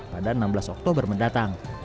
pada enam belas oktober mendatang